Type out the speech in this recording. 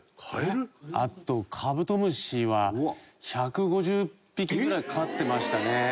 あとカブトムシは１５０匹ぐらい飼ってましたね。